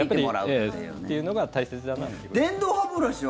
というのが大切だなと。